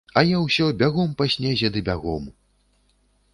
А я ўсё бягом па снезе ды бягом.